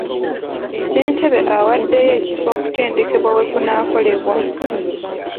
Ssentebe awaddeyo ekifo okutendekebwa we kunaakolebwa.